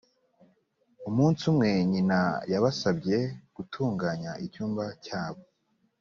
umunsi umwe nyina yabasabye gutunganya icyumba cyabo